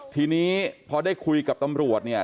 ทีนี้พอได้คุยกับตำรวจเนี่ย